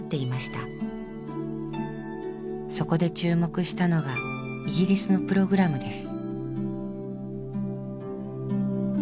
そこで注目したのがイギリスのプログラムです。